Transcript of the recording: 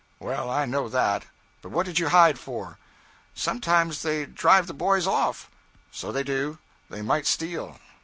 'Well, I know that. But what did you hide for?' 'Sometimes they drive the boys off.' 'So they do. They might steal.